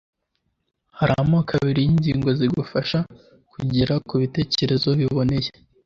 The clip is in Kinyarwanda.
Hari amoko abiri y’ingingo zigufasha kugera ku bitekerezo biboneye: